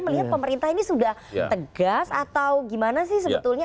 melihat pemerintah ini sudah tegas atau gimana sih sebetulnya